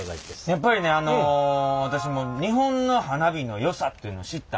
やっぱりねあの私日本の花火のよさっていうのを知ったんでね。